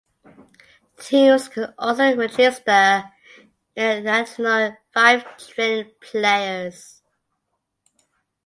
Teams could also register an additional five training players.